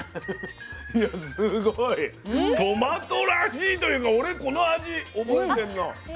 いやすごいトマトらしいというか俺この味覚えてんの。